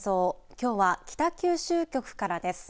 きょうは北九州局からです。